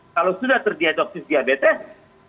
kalau sudah terdiadoksis diabetes